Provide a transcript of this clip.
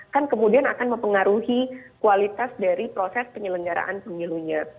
kan kemudian akan mempengaruhi kualitas dari proses penyelenggaraan pemilunya